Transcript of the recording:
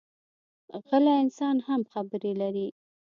غلی انسان هم خبرې لري